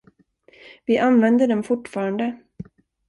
Vi använder den fortfarande.